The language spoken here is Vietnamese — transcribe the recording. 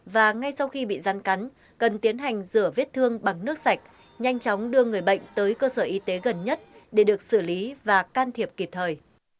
và ngay sau khi bị rắn cắn cần tiến hành rửa vết thương bằng nước sạch nhanh chóng đưa người bệnh tới cơ sở y tế gần nhất để được xử lý và can thiệp kịp thời